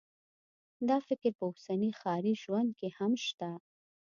دا فکر په اوسني ښاري ژوند کې هم شته